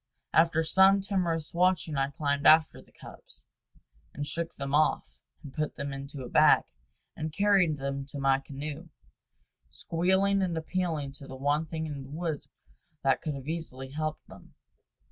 After some timorous watching I climbed after the cubs, and shook them off, and put them into a bag, and carried them to my canoe, squealing and appealing to the one thing in the woods that could easily have helped them.